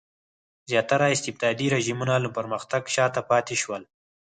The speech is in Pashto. زیاتره استبدادي رژیمونه له پرمختګ شاته پاتې شول.